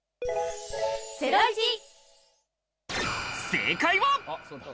正解は。